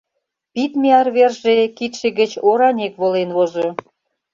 — пидме арверже кидше гыч оранек волен возо.